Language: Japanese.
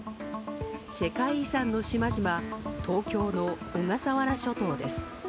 世界遺産の島々東京の小笠原諸島です。